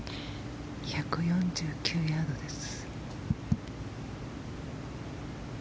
１４９ヤードです。